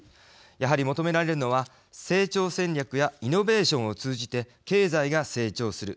やはり求められるのは成長戦略やイノベーションを通じて経済が成長する。